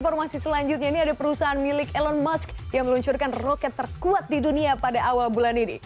informasi selanjutnya ini ada perusahaan milik elon musk yang meluncurkan roket terkuat di dunia pada awal bulan ini